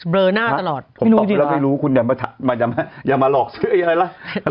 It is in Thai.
เบลอหน้าตลอดผมตอบไปแล้วไม่รู้คุณอย่ามาหลอกซื้ออะไรล่ะ